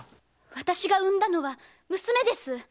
私が産んだのは娘です！